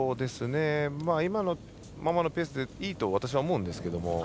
今のままのペースでいいと私は思うんですが。